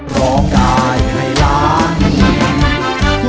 ร้องได้ให้ร้อง